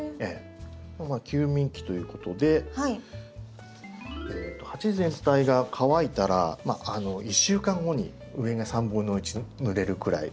休眠期ということで鉢全体が乾いたら１週間後に上が1/3ぬれるくらいさっと水を。